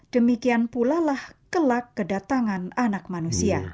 demikian pulalah kelak kedatangan anak manusia